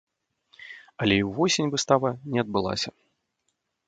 Але і ўвосень выстава не адбылася.